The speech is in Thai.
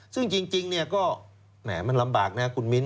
ซึ่งจริงเนี่ยก็มันลำบากนะครับคุณมิ้นท์